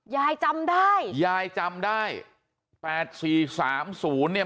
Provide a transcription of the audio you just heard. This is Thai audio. ยายจำได้ยายจำได้แปดสี่สามศูนย์เนี่ย